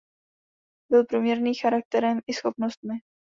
Byl průměrný charakterem i schopnostmi.